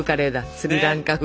スリランカ風。